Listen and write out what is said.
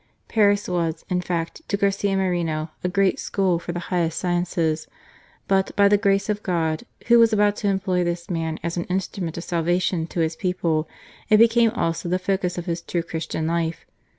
Paris was, in fact, to Garcia Moreno a great school for the highest sciences ; but, by the grace of God, Who was about to employ this man as an instrument of salvation to His people, it became also the focus of his true Christian life.